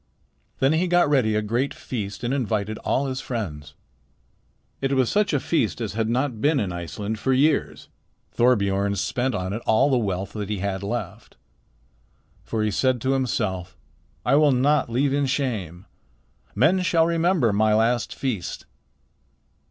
"Then he got ready a great feast and invited all his friends. It was such a feast as had not been in Iceland for years. Thorbiorn spent on it all the wealth that he had left. For he said to himself, 'I will not leave in shame. Men shall remember my last feast.'